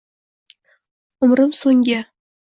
Umrimso’ngi —